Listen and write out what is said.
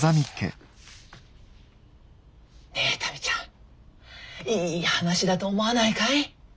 ねえ民ちゃんいい話だと思わないかい？